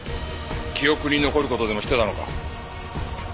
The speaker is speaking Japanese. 記憶に残る事でもしてたのか？